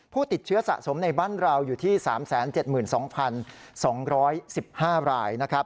ผู้ติดเชื้อสะสมในบ้านเราอยู่ที่๓๗๒๒๑๕รายนะครับ